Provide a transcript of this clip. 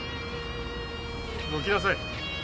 どきなさい。